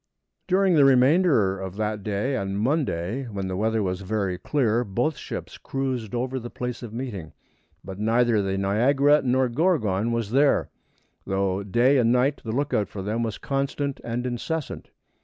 During the remainder of that day and Monday, when the weather was very clear, both ships cruised over the place of meeting, but neither the Niagara nor Gorgon was there, though day and night the lookout for them was constant and incessant.